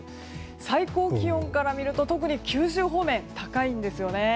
最高気温から見ると特に九州方面高いんですよね。